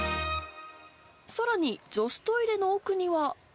さらに、女子トイレの奥には。